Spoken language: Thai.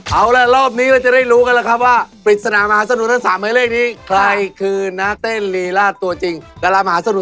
เอาล่ะรอบนี้เราจะได้รู้กันแล้วครับ